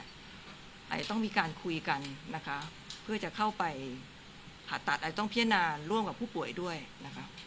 อาจจะต้องมีการคุยกันนะคะเพื่อจะเข้าไปผ่าตัดอาจจะต้องพิจารณาร่วมกับผู้ป่วยด้วยนะคะ